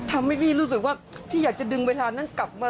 ทำให้พี่รู้สึกว่าพี่อยากจะดึงเวลานั้นกลับมา